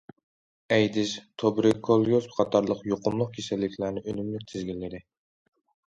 ئەيدىز، تۇبېركۇليۇز قاتارلىق يۇقۇملۇق كېسەللىكلەرنى ئۈنۈملۈك تىزگىنلىدى.